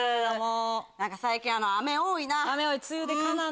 何か最近雨多いな。